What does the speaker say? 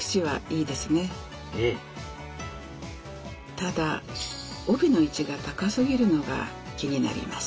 ただ帯の位置が高すぎるのが気になります。